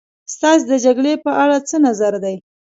ستاسې د جګړې په اړه څه نظر دی.